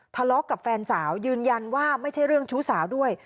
ทะเลาะกับแฟนสาวยืนยันว่าไม่ใช่เรื่องชู้สาวด้วย